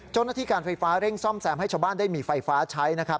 เจ้าหน้าที่การไฟฟ้าเร่งซ่อมแซมให้ชาวบ้านได้มีไฟฟ้าใช้นะครับ